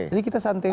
jadi kita santen aja